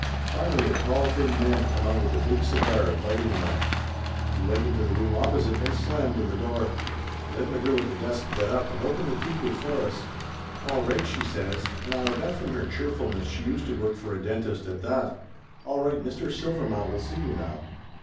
Finally a tall thin man come out with a big cigar, biting on it. He went into the room opposite and slammed the door. Then the girl at the desk got up and opened the teakwood for us. "All right !" she says, and I'll bet from her cheerful ness she used to work for a dentist, at that. "All right, Mr. Silvermount will see you now."